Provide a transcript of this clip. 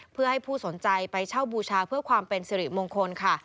เพื่อให้ผู้สนใจไปเช่าบูชาเพื่อความเป็นสิริมงคลค่ะ